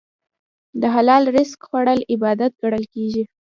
د حلال رزق خوړل عبادت ګڼل کېږي.